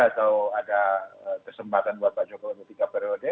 atau ada kesempatan buat pak jokowi ketika periode